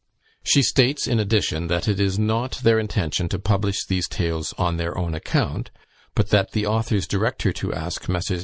She states, in addition, that it is not their intention to publish these tales on their own account; but that the authors direct her to ask Messrs.